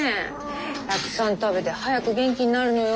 たくさん食べて早く元気になるのよ。